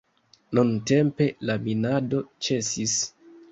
Nuntempe la minado ĉesis.